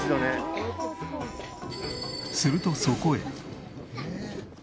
するとそこへ。